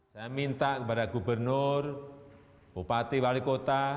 saya minta kepada gubernur bupati wali kota